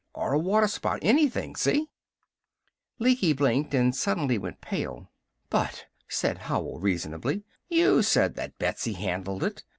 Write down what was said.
Or a water spout. Anything! See?" Lecky blinked and suddenly went pale. "But," said Howell reasonably, "you said that Betsy handled it.